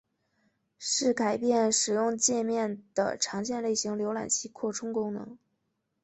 是改变使用介面的常见类型浏览器扩充功能。